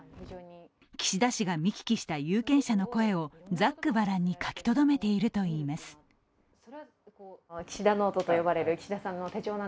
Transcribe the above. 岸田氏が見聞きした有権者の声をざっくばらんに書き留めているといいます。